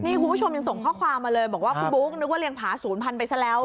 นี่คุณผู้ชมยังส่งข้อความมาเลยบอกว่าคุณบุ๊คนึกว่าเรียงผาศูนย์พันไปซะแล้ว